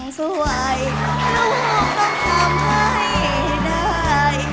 สวยลูกต้องทำให้ได้